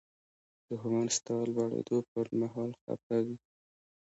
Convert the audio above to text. دښمن ستا د لوړېدو پر مهال خپه وي